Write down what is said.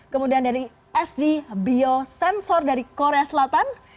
kemudian dari sd biosensor dari korea selatan